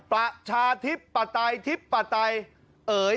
ประชาธิปไตรทิศปไตร